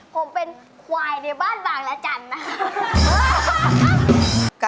ผมเป็นควายในบ้านบางละจันทร์นะครับ